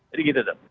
jadi gitu dong